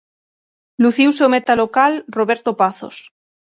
Luciuse o meta local Roberto Pazos.